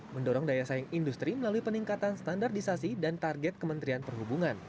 mendorong daya saing industri melalui peningkatan standarisasi dan target kementerian perhubungan